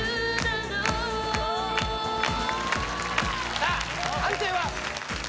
さあ判定は？